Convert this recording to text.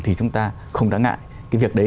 thì chúng ta không đáng ngại cái việc đấy